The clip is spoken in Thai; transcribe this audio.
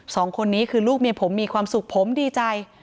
สองคนนี้คือลูกเมียผมมีความสุขผมดีใจ